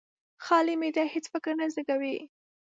خالي معده هېڅ فکر نه زېږوي.